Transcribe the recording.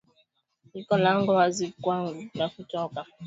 Liko lango wazi kwangu la kutoka.